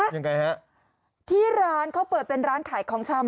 ยังไงฮะที่ร้านเขาเปิดเป็นร้านขายของชำ